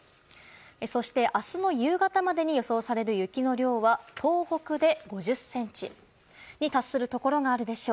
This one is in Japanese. そして明日の夕方までに予想される雪の量は東北で５０ｃｍに達するところがあるでしょう。